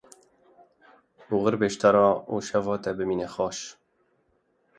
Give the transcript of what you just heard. Oxir be ji te re û şeva te bimîne xweş.